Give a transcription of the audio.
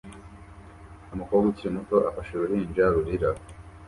Umukobwa ukiri muto afashe uruhinja rurira